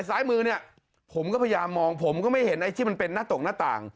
ซ้ายมือเนี่ยผมก็พยายามมองผมก็ไม่เห็นไอ้ที่มันเป็นหน้าตกหน้าต่าง